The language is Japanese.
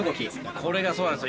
これがそうなんですよ。